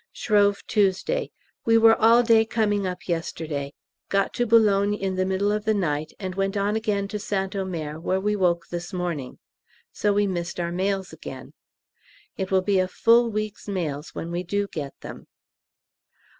Shrove Tuesday. We were all day coming up yesterday. Got to B. in the middle of the night, and went on again to St Omer, where we woke this morning, so we missed our mails again; it will be a full week's mails when we do get them.